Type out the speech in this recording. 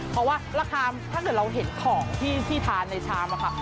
เพราะว่าราคาถ้าเกิดเราเห็นของที่ทานในชามค่ะ